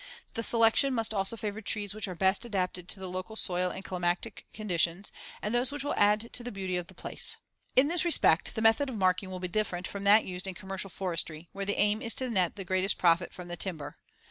The selection must also favor trees which are best adapted to the local soil and climatic conditions and those which will add to the beauty of the place. In this respect the method of marking will be different from that used in commercial forestry, where the aim is to net the greatest profit from the timber.